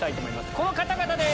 この方々です。